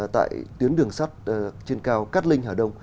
tại tuyến đường sắt trên cao cát linh hà đông